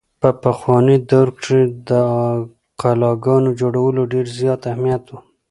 په پخواني دور کښې د قلاګانو جوړولو ډېر زيات اهميت وو۔